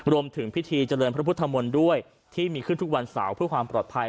รวมถึงพิธีเจริญพระพุทธมนตร์ด้วยที่มีขึ้นทุกวันเสาร์เพื่อความปลอดภัย